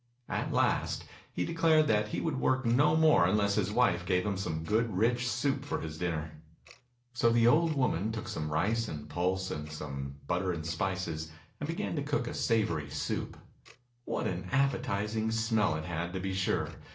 At last he declared that he would work no more unless his wife gave him some good rich soup for his dinner. So the old woman took some rice and pulse and some butter and spices, and began to cook a savory soup. What an appetizing smell it had, to be sure!